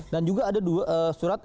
dan juga ada dua surat